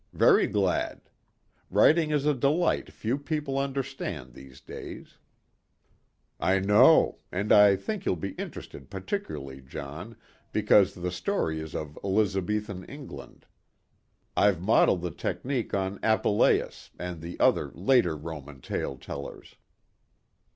"Very glad. Writing is a delight few people understand these days." "I know. And I think you'll be interested particularly, John, because the story is of Elizabethan England. I've modeled the technique on Apuleius and the other later Roman tale tellers."